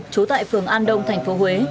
chú tại phường an đông tp huế